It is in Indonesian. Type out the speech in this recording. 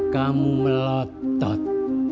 kamu terlalu melontot